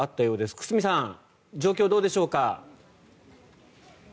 久須美さん状況はどうでしょうか。